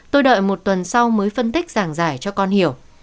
tôi đợi một tuần sau mới phân tích giảng giải cho con hiểu